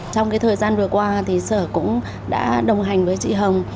trong thời gian vừa qua thì sở cũng đã đồng hành với chị hồng